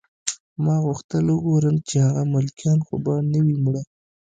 ما غوښتل وګورم چې هغه ملکیان خو به نه وي مړه